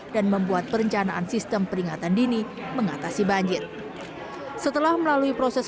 dan membuat perencanaan sistem peringatan dini mengatasi banjir setelah melalui proses